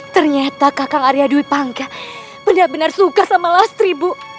ternyata kakang arya dwi pangga benar benar suka sama lastri bu